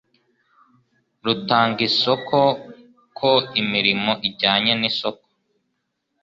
rutanga isoko ko imirimo ijyanye n isoko